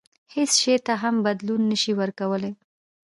هیڅ شي ته هم بدلون نه شي ورکولای.